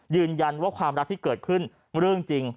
ยืนยันว่าความรักที่เกิดขึ้นเรื่องจริง